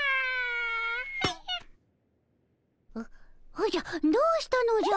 おじゃどうしたのじゃ？